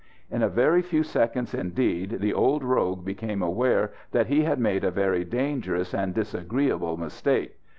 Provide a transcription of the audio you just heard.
In a very few seconds indeed, the old rogue became aware that he had made a very dangerous and disagreeable mistake.